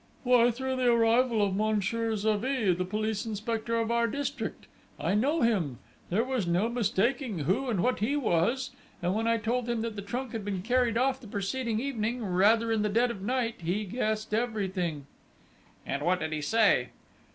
"Why, through the arrival of Monsieur Xavié, the police inspector of our district! I know him.... There was no mistaking who and what he was; and when I told him that the trunk had been carried off the preceding evening, rather in the dead of night, he guessed everything...." "And what did he say?..."